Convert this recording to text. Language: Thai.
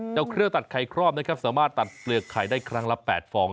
เครื่องตัดไข่ครอบนะครับสามารถตัดเปลือกไข่ได้ครั้งละ๘ฟอง